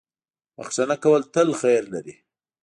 • بښنه کول تل خیر لري.